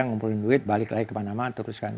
ngumpulin duit balik lagi ke panama terus kan